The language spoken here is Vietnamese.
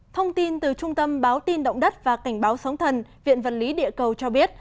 thông tin từ trung tâm báo tin động đất và cảnh báo sóng thần viện vật lý địa cầu cho biết